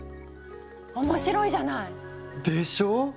面白いじゃない！でしょう？